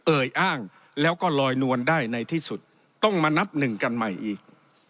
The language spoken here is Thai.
เอ่ยอ้างแล้วก็ลอยนวลได้ในที่สุดต้องมานับหนึ่งกันใหม่อีก